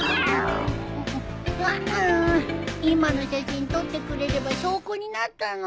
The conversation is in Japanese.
あん今の写真撮ってくれれば証拠になったのに。